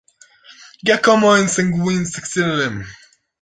Giacomo Insanguine succeeded him.